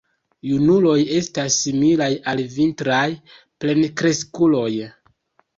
Junuloj estas similaj al vintraj plenkreskuloj.